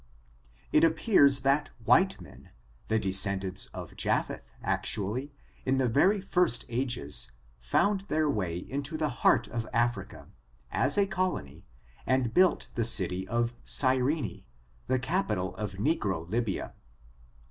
It appears that white men, the descendants of Japheth, actually, in the very first ages^ found their way into the heart of Africa, as a colony, and built the city of Cyrene, the capital of negro Lybia.